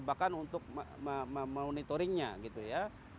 bahkan untuk memonitoringnya gitu ya